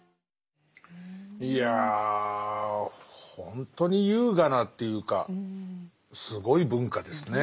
いやほんとに優雅なというかすごい文化ですね。